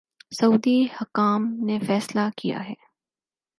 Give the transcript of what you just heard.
سعودی حکام نے فیصلہ کیا ہے